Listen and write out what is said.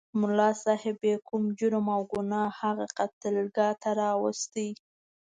ملا صاحب بې کوم جرم او ګناه هغه قتلګاه ته راوست.